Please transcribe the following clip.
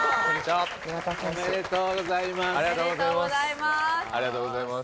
ありがとうございます。